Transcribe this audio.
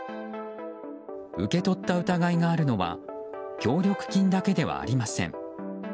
受け取った疑いがあるのは協力金だけではありません。